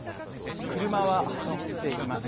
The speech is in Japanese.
車は走っています。